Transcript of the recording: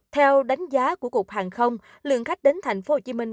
theo đánh giá của cục hàng không lượng khách đến thành phố hồ chí minh